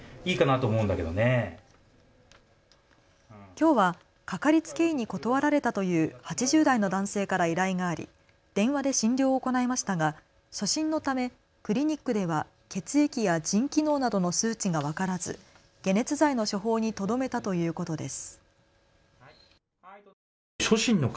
きょうはかかりつけ医に断られたという８０代の男性から依頼があり電話で診療を行いましたが初診のためクリニックでは血液や腎機能などの数値が分からず解熱剤の処方にとどめたということです。